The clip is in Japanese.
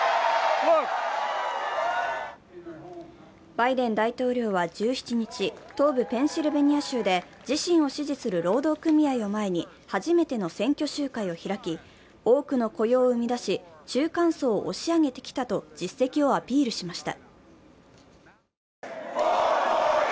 バイデン大統領は１７日、東部ペンシルベニア州で自身を支持する労働組合を前に初めての選挙集会を開き、多くの雇用を生み出し中間層を押し上げてきたと実績をアピールしました。